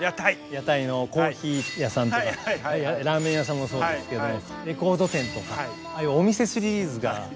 屋台のコーヒー屋さんとかラーメン屋さんもそうですけどもレコード店とかああいうお店シリーズがよく見ますね。